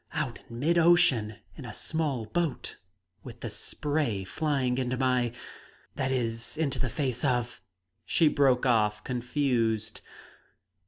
Out in mid ocean, in a small boat, with the spray flying into my that is, into the face of " She broke off, confused.